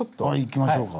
行きましょうか。